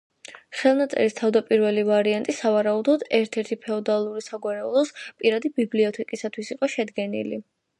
ხელნაწერის თავდაპირველი ვარიანტი, სავარაუდოდ, ერთ-ერთი ფეოდალური საგვარეულოს პირადი ბიბლიოთეკისათვის იყო შედგენილი.